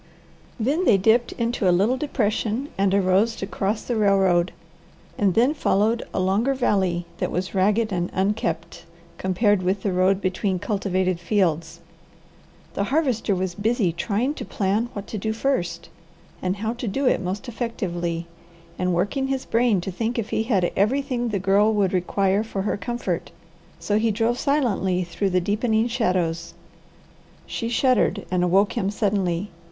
Then they dipped into a little depression and arose to cross the railroad and then followed a longer valley that was ragged and unkempt compared with the road between cultivated fields. The Harvester was busy trying to plan what to do first, and how to do it most effectively, and working his brain to think if he had everything the Girl would require for her comfort; so he drove silently through the deepening shadows. She shuddered and awoke him suddenly.